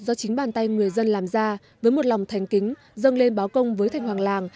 do chính bàn tay người dân làm ra với một lòng thành kính dâng lên báo công với thanh hoàng làng